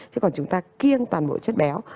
chứ còn chúng ta kiêng toàn bộ chất béo